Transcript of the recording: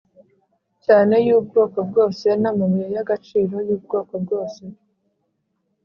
Cyane y ubwoko bwose n amabuye y agaciro y ubwoko bwose